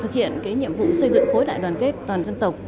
về cái nhiệm vụ xây dựng khối đại đoàn kết toàn dân tộc